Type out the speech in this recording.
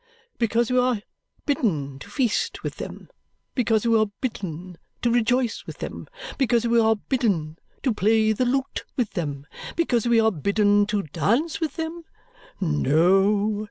Because we are bidden to feast with them, because we are bidden to rejoice with them, because we are bidden to play the lute with them, because we are bidden to dance with them? No.